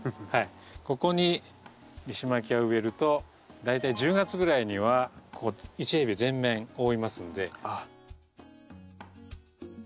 ここにリシマキアを植えると大体１０月ぐらいにはここ１平米全面覆いますんでね。